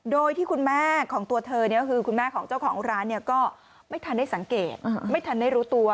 โดยที่คุณแม่ของตัวเธอคือคุณแม่ของเจ้าของร้านเนี่ยก็ไม่ทันได้สังเกตไม่ทันได้รู้ตัว